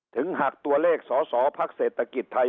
ถึงหากตัวเลขสสพักเศรษฐกิจไทย